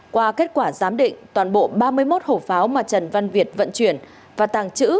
qua kết quả giám định toàn bộ ba mươi một hộp pháo mà trần văn việt vận chuyển và tàng trữ